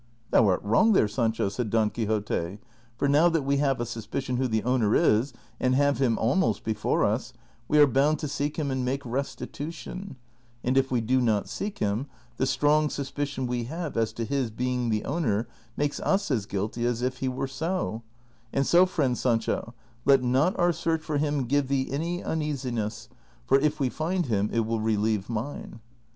" Thou art wrong there, Sancho," said Don Quixote, " for now that we have a suspicion who the owner is, and have him almost before us, we are bound to seek him and make restitu tion ; and if we do not seek him, the strong suspicion we have as to his being the owner makes us as guilty as if he were so ; and so, friend Sancho, let not our search for him give thee any uneasiness, for if Ave find him it will relieve mine."